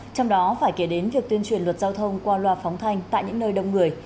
trong đó phải kể đến việc tuyên truyền luật giao thông qua loa phóng thanh tại những nơi đông người